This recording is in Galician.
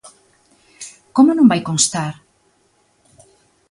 ¿Como non vai constar?